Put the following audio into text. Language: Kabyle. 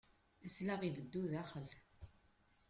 Aslaɣ ibeddu daxel.